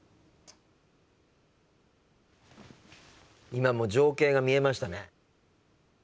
今もう情景が見えましたね。